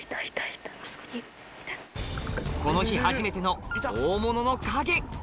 この日初めての大物の影！